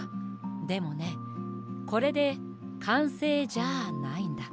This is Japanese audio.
でもねこれでかんせいじゃあないんだ。